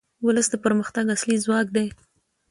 ولس د پرمختګ اصلي ځواک دی.